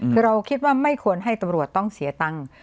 คือเราคิดว่าไม่ควรให้ตำรวจต้องเสียตังค์